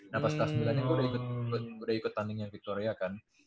nah pas kelas sembilan nya gue udah ikut tandingan victoria kan